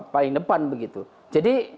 paling depan begitu jadi